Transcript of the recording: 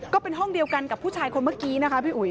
ก็เป็นห้องเดียวกันกับผู้ชายคนเมื่อกี้นะคะพี่อุ๋ย